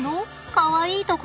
かわいいところ。